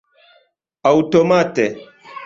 aŭtomate